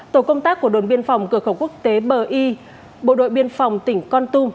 tổ công tác của đồn biên phòng cửa khẩu quốc tế bờ y bộ đội biên phòng tỉnh con tum